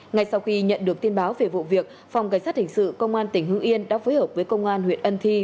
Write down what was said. ngay sau khi nhận được tin báo về vụ việc phòng cảnh sát hình sự công an tỉnh hưng yên đã phối hợp với công an huyện ân thi